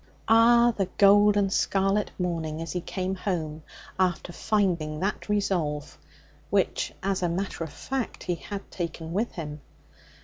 Ah! the gold and scarlet morning as he came home after finding that resolve, which, as a matter of fact, he had taken with him!